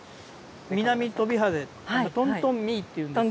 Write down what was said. ミナミトビハゼトントンミーっていうんですよ。